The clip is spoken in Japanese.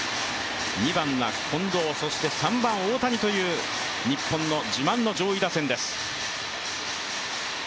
２番が近藤、そして３番大谷という日本の自慢の上位打線です。